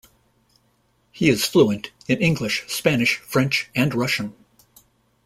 He is fluent in English, Spanish, French, and Russian.